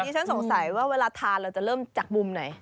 ฉันสงสัยว่าเวลาทานเราจะเริ่มจากมุมไหน